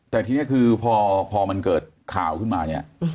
แต่ทีนี้คือพอมันเกิดข่าวขึ้นมาเนี่ย